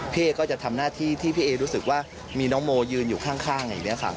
พี่เอก็จะทำหน้าที่ที่พี่เอรู้สึกว่ามีน้องโมยืนอยู่ข้างอย่างนี้ค่ะ